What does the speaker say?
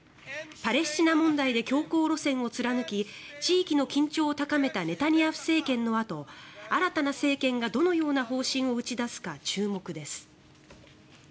パレスチナ問題で強硬路線を貫き地域の緊張を高めたネタニヤフ政権のあと新たな政権がどのような方針を打ち出すか注目です。